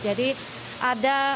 jadi ada pengaturan